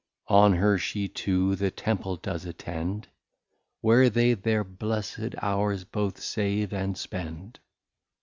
On her she to the Temple does attend, Where they their Blessed Hours both save and spend.